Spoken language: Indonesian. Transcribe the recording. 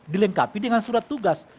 dilengkapi dengan surat tugas